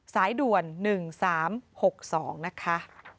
สายด่วน๑๓๖๒นะคะ